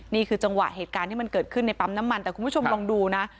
นี่คือจังหวะเหตุการณ์ที่มันเกิดขึ้นในปั๊มน้ำมันแต่คุณผู้ชมลองดูนะ